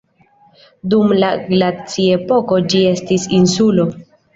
Dum la glaciepoko ĝi estis insulo.